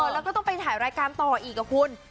แล้วก็ต้องไปถ่ายรายการต่ออีกกับคุณ